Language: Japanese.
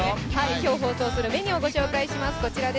今日放送するメニューをご紹介します。